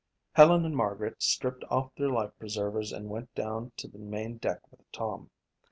Helen and Margaret stripped off their life preservers and went down to the main deck with Tom.